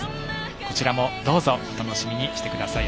こちらもどうぞお楽しみにしてください。